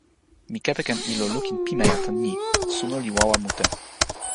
mi kepeken ilo lukin pimeja tan ni: suno li wawa mute.